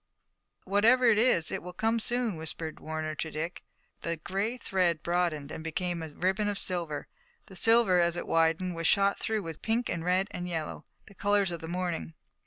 "Whatever it is, it will come soon," whispered Warner to Dick. The gray thread broadened and became a ribbon of silver. The silver, as it widened, was shot through with pink and red and yellow, the colors of the morning.